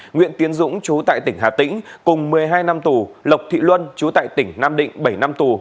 nguyễn tiến dũng chú tại tỉnh hà tĩnh cùng một mươi hai năm tù lộc thị luân chú tại tỉnh nam định bảy năm tù